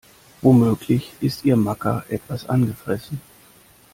Womöglich ist ihr Macker etwas angefressen.